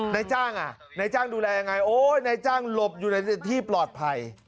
ในจ้างอ่ะในจ้างดูแลอย่างไรโอ้ยในจ้างหลบอยู่ในที่ปลอดภัย